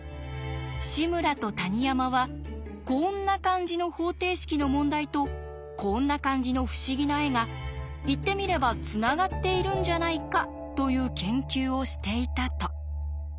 志村と谷山はこんな感じの方程式の問題とこんな感じの不思議な絵が言ってみればつながっているんじゃないかという研究をしていたと。